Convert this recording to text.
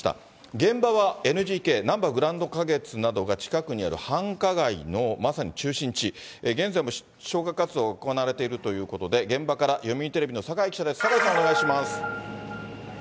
現場はＮＧＫ・なんばグランド花月などが近くにある繁華街のまさに中心地、現在も消火活動が行われているということで、現場から読売テレビの酒井記者です、酒井さん、お願いします。